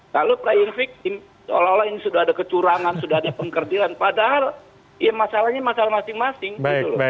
lalu pay off pushing insya allah ini sudah kecurangan sudah ada pengkerjilan padahal ya masalahnya masalah masing masing gitu loh